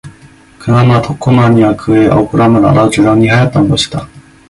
그나마 덕호만이야 그의 억울함을 알아주려니 하였던 것이다.